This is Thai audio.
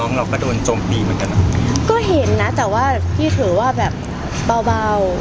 เราก็โดนจมตีเหมือนกันนะก็เห็นนะแต่ว่าพี่ถือว่าแบบเบาเบา